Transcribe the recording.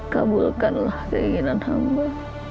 kabulkanlah keinginan hamba